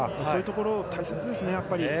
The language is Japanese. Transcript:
そういうところ、大切ですね。